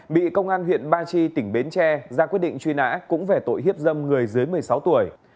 bị công an huyện ba chi tỉnh bến tre ra quyết định truy nã cũng về tội hiếp dâm người dưới một mươi sáu tuổi